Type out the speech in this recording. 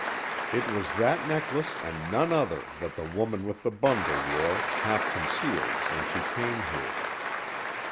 It was that necklace and none other that the woman with the bundle wore, half concealed, when she came here.